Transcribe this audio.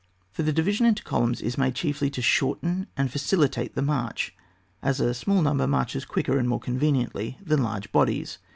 For the division into columns is made chiefly to shorten and facilitate the march, as a smcJl number marches quicker and more conveniently than large bodies.